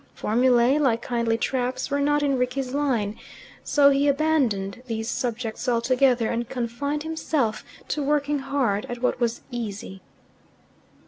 Formulae, like kindly traps, were not in Rickie's line, so he abandoned these subjects altogether and confined himself to working hard at what was easy.